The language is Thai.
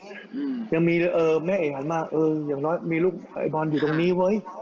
อืมยังมีเลยเออแม่เอกหันมาเอออย่างน้อยมีลูกไอ้บอลอยู่ตรงนี้เว้ย